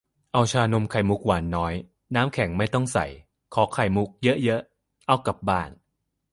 เอาชานมไข่มุก หวานน้อย น้ำแข็งไม่ต้องใส่ ขอไข่มุกเยอะ ๆ เอากลับบ้าน